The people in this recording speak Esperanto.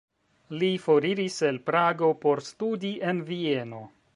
Li foriris el Prago por studi en Vieno.